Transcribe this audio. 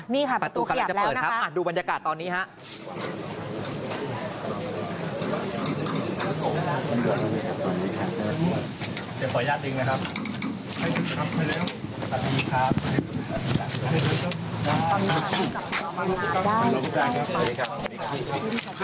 นี่ค่ะประตูกำลังจะเปิดแล้วนะครับดูบรรยากาศตอนนี้ฮะอ่านี่ค่ะประตูกำลังจะเปิดแล้วนะครับดูบรรยากาศตอนนี้ฮะ